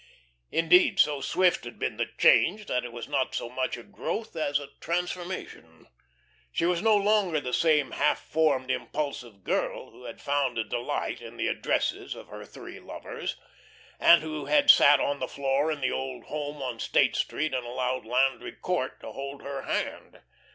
Indeed, so swift had been the change, that it was not so much a growth as a transformation. She was no longer the same half formed, impulsive girl who had found a delight in the addresses of her three lovers, and who had sat on the floor in the old home on State Street and allowed Landry Court to hold her hand.